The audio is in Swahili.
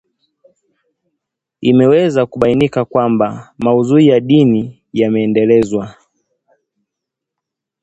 imeweza kubainika kwamba maudhui ya dini yameendelezwa